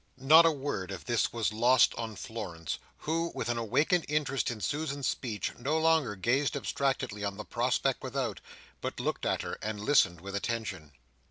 Not a word of this was lost on Florence, who, with an awakened interest in Susan's speech, no longer gazed abstractedly on the prospect without, but looked at her, and listened with attention.